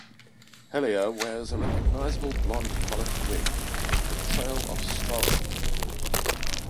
Helliar wears a recognisable blond mullet wig in his portrayal of Strauchan.